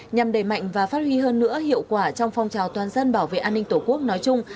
nhằm đẩy mạnh và phát huy hơn nữa hiệu quả trong phong trào toàn dân bảo vệ an ninh tổ quốc nói chung